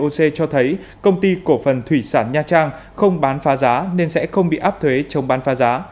oc cho thấy công ty cổ phần thủy sản nha trang không bán phá giá nên sẽ không bị áp thuế chống bán phá giá